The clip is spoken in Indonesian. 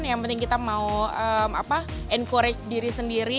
yang penting kita mau encourage diri sendiri